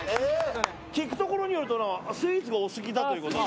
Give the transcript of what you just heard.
聞くところによるとスイーツがお好きだということで。